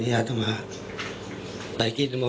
ฝ่ายกรเหตุ๗๖ฝ่ายมรณภาพกันแล้ว